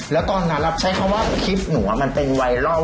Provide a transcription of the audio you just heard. แล้วตอนนั้นใช้คำว่าคลิปหนูมันเป็นไวรัล